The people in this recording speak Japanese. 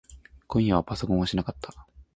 今夜はパソコンはしなかった。